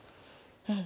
うん。